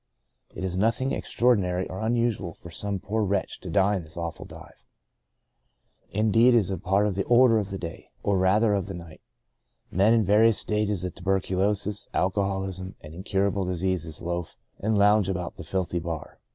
It is nothing extraordinary or unusual for some poor wretch to die in this awful dive. Indeed, it is part of the order of the day — or rather of the night. Men in various stages of tuberculosis, alcoholism, and incurable dis ease loaf and lounge about the filthy bar.